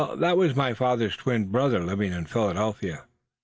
That was my father's twin brother, living in Philadelphia.